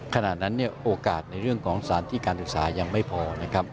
ขณะนั้นเนี่ยโอกาสในเรื่องของสถานที่การศึกษายังไม่พอนะครับ